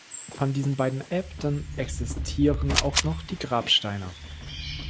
Von diesen beiden Äbten existieren auch noch die Grabsteine.